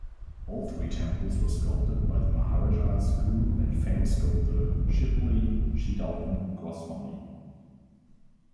All three temples were sculpted by the maharaja's guru and famous sculptor, Shilpi Siddalingaswamy.